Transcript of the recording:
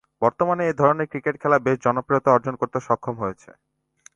বর্তমানে এ ধরনের ক্রিকেট খেলা বেশ জনপ্রিয়তা অর্জন করতে সক্ষম হয়েছে।